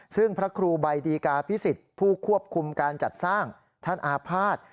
ซึ่งพระครูใบดีกาพิสิทธิ์ผู้ควบคุมการจัดสร้างท่านอาภาษณ์